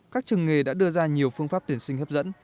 các trường nghề đã đưa ra nhiều phương pháp tuyển sinh hấp dẫn